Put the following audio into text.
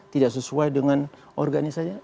tidak sesuai dengan organisanya